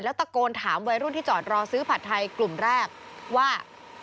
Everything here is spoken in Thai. ตะโกนถามวัยรุ่นที่จอดรอซื้อผัดไทยกลุ่มแรกว่า